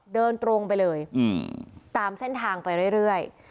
เดินตรงไปเลยตามเส้นทางไปเรื่อย